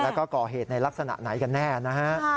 แล้วก็ก่อเหตุในลักษณะไหนกันแน่นะฮะ